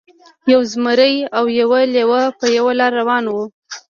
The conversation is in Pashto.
یو زمری او یو لیوه په یوه لاره روان وو.